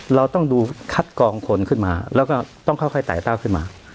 เราต้องดูคัดกองคนขึ้นมาแล้วก็ต้องค่อยไต่เต้าขึ้นมา